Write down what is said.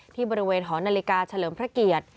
ที่บริเวณหอนาฬิกาเฉลิมพระเกียรติ